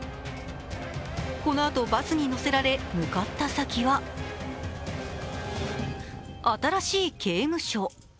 このあとバスに乗せられ、向かった先は新しい刑務所。